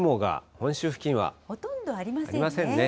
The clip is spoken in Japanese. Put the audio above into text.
ほとんどありませんね。